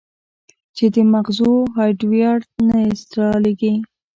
چې د مزغو هارډوئېر ته انسټاليږي